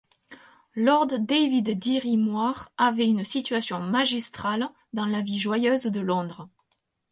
Lord David Dirry-Moir avait une situation magistrale dans la vie joyeuse de Londres.